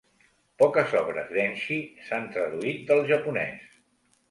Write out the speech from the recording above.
Poques obres d'Enchi s'han traduït del japonès.